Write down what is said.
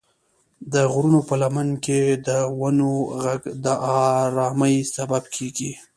د غرونو په لمن کې د ونو غږ د ارامۍ سبب کېږي.